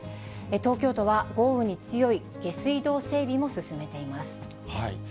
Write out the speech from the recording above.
東京都は豪雨に強い下水道整備も進めています。